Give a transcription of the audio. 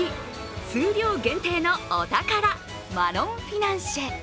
数量限定のお宝、マロンフィナンシェ。